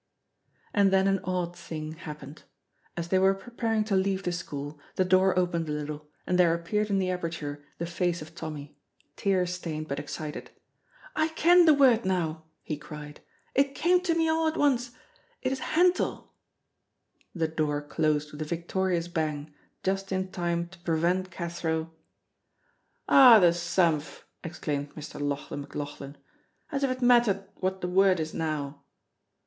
And then an odd thing happened. As they were preparing to leave the school, the door opened a little and there appeared in the aperture the face of Tommy, tear stained but excited. "I ken the word now," he cried, "it came to me a' at once; it is hantle!" The door closed with a victorious bang, just in time to prevent Cathro "Oh, the sumph!" exclaimed Mr. Lauchlan McLauchlan, "as if it mattered what the word is now!"